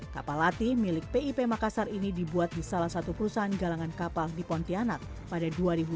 kapal latih milik pip makassar ini dibuat di salah satu perusahaan galangan kapal di pontianak pada dua ribu dua puluh